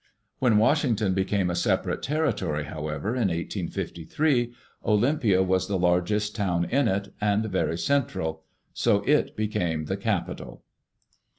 When Washington became a separate territory, how ever, in 1853, Olympia was the largest town in it, and very central; so it became the capital.